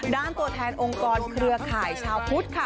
ตัวแทนองค์กรเครือข่ายชาวพุทธค่ะ